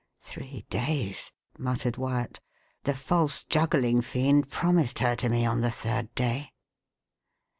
"Three days!" muttered Wyat. "The false juggling fiend promised her to me on the third day."